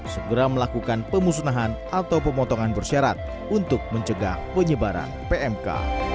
segera melakukan pemusnahan atau pemotongan bersyarat untuk mencegah penyebaran pmk